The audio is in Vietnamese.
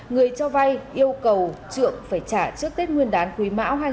người cho vay yêu cầu trượng phải trả trước tết nguyên đán quý mão hai nghìn hai mươi